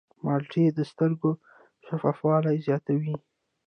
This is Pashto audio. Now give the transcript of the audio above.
مالټې د سترګو شفافوالی زیاتوي.